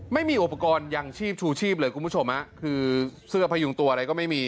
ไม่มีอุปกรณ์ยังชีพชูชีพเลยคุณผู้ชมฮะคือเสื้อพยุงตัวอะไรก็ไม่มี